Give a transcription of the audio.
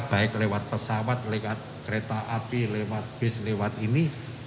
baik lewat pesawat lewat kereta api lewat bus lewat ini